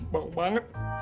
baunya bau banget